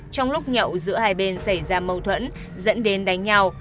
trong lúc nhậu giữa hai bên xảy ra mâu thuẫn dẫn đến đánh nhau